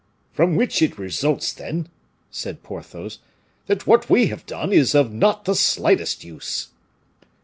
"From which it results, then," said Porthos, "that what we have done is of not the slightest use."